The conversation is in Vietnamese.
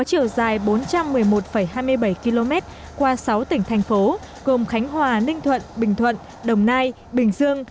chiều dài bốn trăm một mươi một hai mươi bảy km qua sáu tỉnh thành phố gồm khánh hòa ninh thuận bình thuận đồng nai bình dương